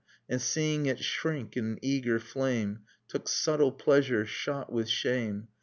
And seeing it shrink in eager flame Took subtle pleasure, shot with shame